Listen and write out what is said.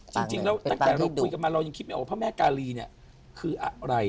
จริงแล้วตั้งแต่เราคุยกันมาเรายังคิดไม่ออกพระแม่กาลีเนี่ยคืออะไร